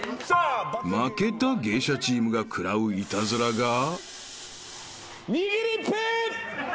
［負けた芸者チームが食らうイタズラが］にぎりっぺ！